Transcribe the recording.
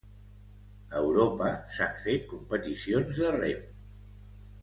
A Europa s'han fet competicions de rem.